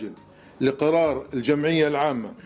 untuk keputusan jemaat pertama